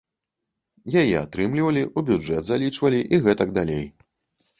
Яе атрымлівалі, у бюджэт залічвалі і гэтак далей.